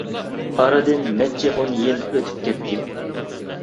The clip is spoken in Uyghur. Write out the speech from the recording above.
ئارىدىن نەچچە ئۇن يىل ئۆتۈپ كەتتى.